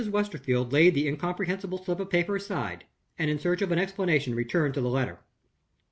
Westerfield laid the incomprehensible slip of paper aside, and, in search of an explanation, returned to the letter.